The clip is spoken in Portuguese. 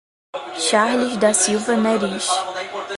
Charles da Silva Neris